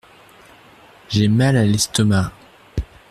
J’ai mal à l’estomac.